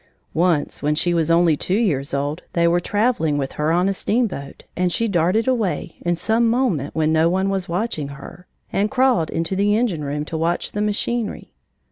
Once when she was only two years old they were traveling with her on a steamboat, and she darted away, in some moment when no one was noticing her, and crawled into the engine room to watch the machinery.